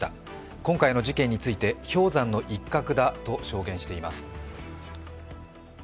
今回の事件について氷山の一角だと表現しています。